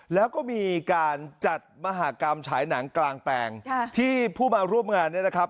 แล้วก็มีการจัดมหากรรมฉายหนังกลางแปลงที่ผู้มาร่วมงานเนี่ยนะครับ